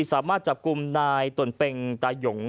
สามารถจับกลุ่มนายตนเป็งตายง